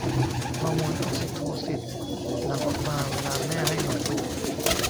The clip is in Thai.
ฮอร์โมนออกซิโทซินหลั่งออกมาเวลาแม่ให้นมลูก